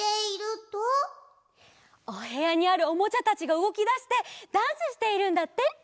おへやにあるおもちゃたちがうごきだしてダンスしているんだって！